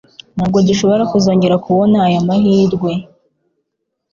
Ntabwo dushobora kuzongera kubona aya mahirwe.